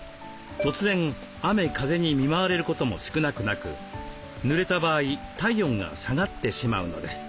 突然雨風に見舞われることも少なくなく濡れた場合体温が下がってしまうのです。